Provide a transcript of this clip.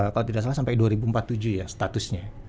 kalau tidak salah sampai dua ribu empat puluh tujuh ya statusnya